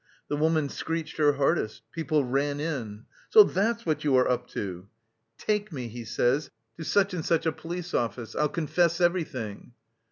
The woman screeched her hardest; people ran in. 'So that's what you are up to!' 'Take me,' he says, 'to such and such a police officer; I'll confess everything.